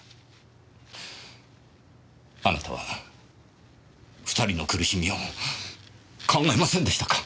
あなたは二人の苦しみを考えませんでしたか！？